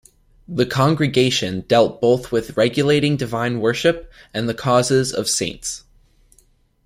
The congregation dealt both with regulating divine worship and the causes of saints.